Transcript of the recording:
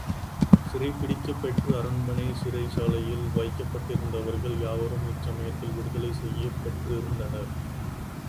சிறைப் பிடிக்கப் பெற்று அரண்மனைச் சிறைச்சாலையில் வைக்கப்பட்டிருந்தவர்கள் யாவரும் இச்சமயத்தில் விடுதலை செய்யப் பெற்றிருந்தனர்.